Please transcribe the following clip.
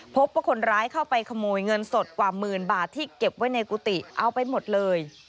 พบว่าคนร้ายเข้าไปขโมยเงินสดกว่าหมื่นบาทที่เก็บไว้ในกุฏิเอาไปหมดเลย